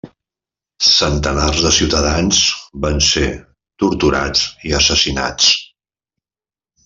Centenars de ciutadans van ser torturats i assassinats.